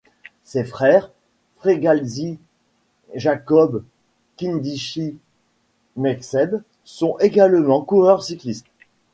Ses frères, Fregalsi, Jacob, Kindishih, Mekseb sont également coureurs cyclistes.